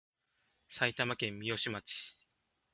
埼玉県三芳町